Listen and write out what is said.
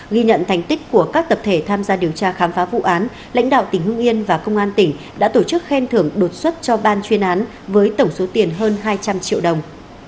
ghi nhận thành tích của các tập thể tham gia điều tra khám phá vụ án lãnh đạo tỉnh hưng yên và công an tỉnh đã tổ chức khen thưởng đột xuất cho ban chuyên án với tổng số tiền hơn hai trăm linh triệu đồng